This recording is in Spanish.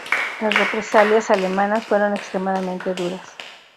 Las represalias alemanas fueron extremadamente duras.